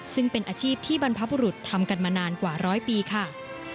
ซึ่งเป็นอาชีพที่บรรพบุรุษทำกันมานานกว่าร้อยปีค่ะ